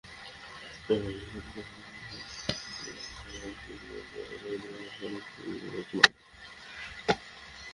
জাতিসংঘ শিশু অধিকার সনদসহ আন্তর্জাতিক শ্রম সংস্থার শিশুবিষয়ক অধিকাংশে সনদ অনুসমর্থন করেছে বাংলাদেশ।